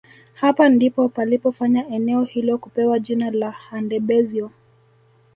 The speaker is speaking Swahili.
Hapa ndipo palipofanya eneo hilo kupewa jina la Handebezyo